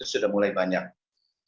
termasuk juga yang masuk dari luar negeri